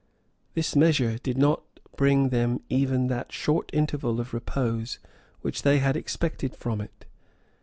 {1011.} This measure did not bring them even that short interval of repose which they had expected from it.